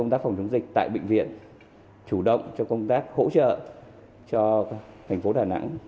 công tác phòng chống dịch tại bệnh viện chủ động cho công tác hỗ trợ cho thành phố đà nẵng